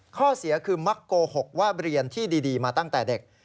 ข้อเสียคือมักโกหกว่าเรียนที่ดีมาตั้งแต่เด็ก